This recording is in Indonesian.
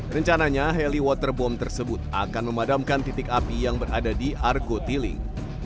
rencananya heli waterbom tersebut akan memadamkan titik api yang berada di argo tiling